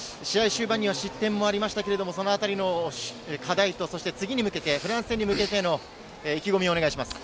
終盤には失点もありましたけれど、課題と次に向けて、フランス戦に向けての意気込みをお願いします。